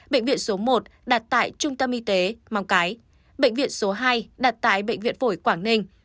bệnh viện số một đặt tại trung tâm y tế mong cái bệnh viện số hai đặt tại bệnh viện phổi quảng ninh